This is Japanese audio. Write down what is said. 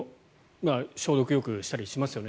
消毒をよくしたりしますよね。